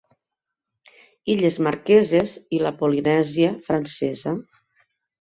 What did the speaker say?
Illes Marqueses i la Polinèsia Francesa.